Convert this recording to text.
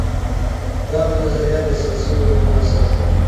دغه نظريات د سياسي علومو اساس دي.